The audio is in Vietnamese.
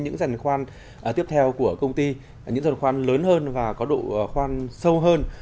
những giàn khoan tiếp theo của công ty những dần khoan lớn hơn và có độ khoan sâu hơn